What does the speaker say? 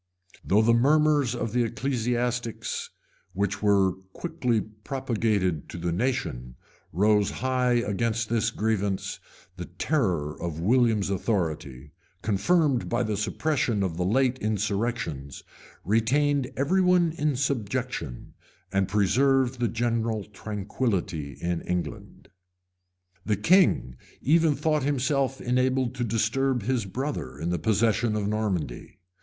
Though the murmurs of the ecclesiastics, which were quickly propagated to the nation, rose high against this grievance, the terror of William's authority, confirmed by the suppression of the late insurrections, retained everyone in subjection, and preserved general tranquillity in England. {1090.} The king, even thought himself enabled to disturb his brother in the possession of Normandy.